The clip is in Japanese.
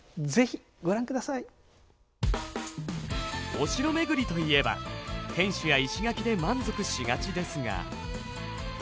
お城巡りといえば天守や石垣で満足しがちですが。